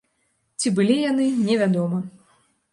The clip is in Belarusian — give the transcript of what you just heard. Ці былі яны, невядома.